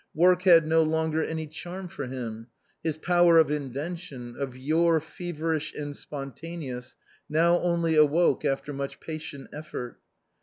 Work had no longer any charm for him, his power of invention, of yore feverish and spontaneous, now only awoke after much patient effort.